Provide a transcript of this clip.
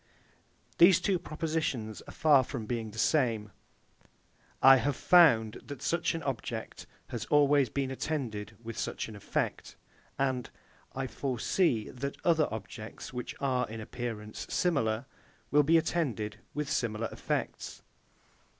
These two propositions are far from being the same, I have found that such an object has always been attended with such an effect, and I foresee, that other objects, which are, in appearance, similar, will be attended with similar effects.